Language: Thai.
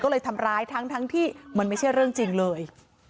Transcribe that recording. ก็เลยทำร้ายทั้งที่มันไม่ใช่เรื่องจริงเลย